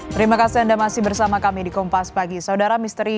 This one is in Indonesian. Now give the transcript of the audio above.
terima kasih anda masih bersama kami di kompas pagi saudara misteri